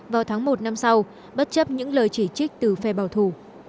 vào tháng một năm sau bất chấp những lời chỉ trích từ phe bảo thủ